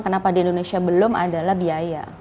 kenapa di indonesia belum adalah biaya